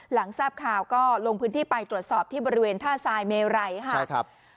หลังทราบข่าวก็ลงพื้นที่ไปตรวจสอบที่บริเวณท่าทรายเมไรค่ะใช่ครับ